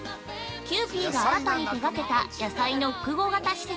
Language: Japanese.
キユーピーが新たに手がけた野菜の複合型施設